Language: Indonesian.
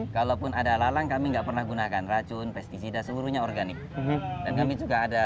kalaupun ada lalang kami nggak pernah gunakan racun pesticida seluruhnya organik dan kami juga ada